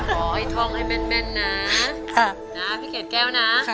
ขอให้ท่องให้แม่นแม่นนะค่ะนะพี่เกดแก้วนะค่ะ